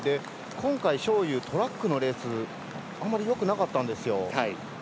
今回、章勇、トラックのレースあんまりよくなかったんですよ。